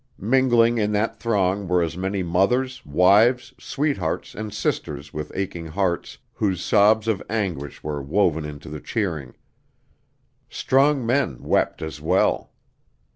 Mingling in that throng were as many mothers, wives, sweethearts and sisters with aching hearts, whose sobs of anguish were woven into the cheering. Strong men wept as well.